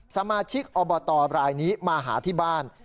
สมาชิกอบตบรายนี้มาหาที่บ้าน